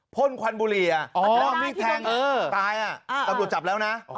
พ่นควันบุรีอะ